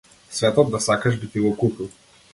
Светот да сакаш би ти го купил.